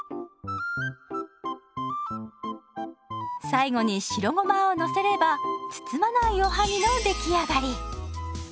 最後に白ごまをのせれば包まないおはぎの出来上がり！